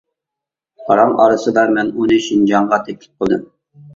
پاراڭ ئارىسىدا مەن ئۇنى شىنجاڭغا تەكلىپ قىلدىم.